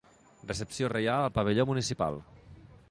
Recepció reial al pavelló municipal.